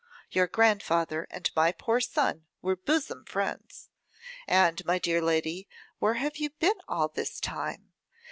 Your grandfather and my poor son were bosom friends. And, my dear lady, where have you been all this time?